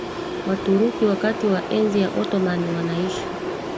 Waturuki wakati wa enzi ya Ottoman Wanaishi